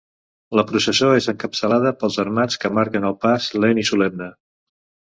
La processó és encapçalada pels armats, que marquen el pas lent i solemne.